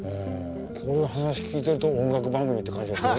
そういう話聞いてると音楽番組って感じがするね。